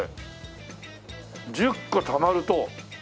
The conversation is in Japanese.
「１０個貯まると」。